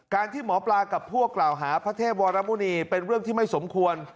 ที่หมอปลากับพวกกล่าวหาพระเทพวรมุณีเป็นเรื่องที่ไม่สมควร